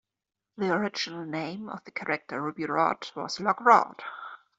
The original name of the character Ruby Rhod was Loc Rhod.